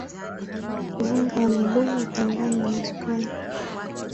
Vunga wa mabuyu hutanganywa na sukari.